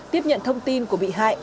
tiếp nhận thông tin của bị hại